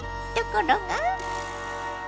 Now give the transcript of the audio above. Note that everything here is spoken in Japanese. ところが。